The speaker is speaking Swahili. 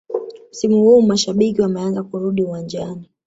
msimu huu mashabiki wameanza kurudi uwanjani